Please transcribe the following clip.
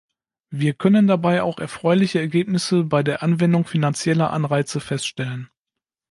Wir können dabei auch erfreuliche Ergebnisse bei der Anwendung finanzieller Anreize feststellen.